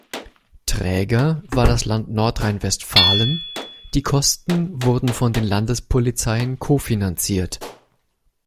Träger war das Land Nordrhein-Westfalen, die Kosten wurden von den Landespolizeien kofinanziert.